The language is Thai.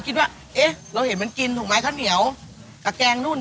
กับแกงนู่นแกงนี่แกงนั่น